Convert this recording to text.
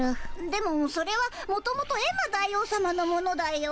でもそれはもともとエンマ大王さまのものだよ？